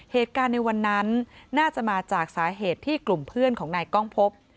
เหตุการณ์ในวันนั้นน่าจะมาจากสาเหตุที่กลุ่มเพื่อนของนายกล้องพบ